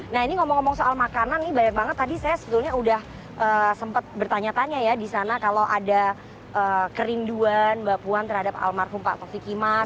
nah ini ngomong ngomong soal makanan ini banyak banget tadi saya sebetulnya udah sempat bertanya tanya ya di sana kalau ada kerinduan mbak puan terhadap almarhum pak taufik imas